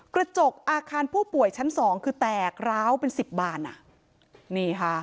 กระจกอาคารผู้ป่วยชั้นสองคือแตกร้าวเป็นสิบบานอ่ะนี่ค่ะ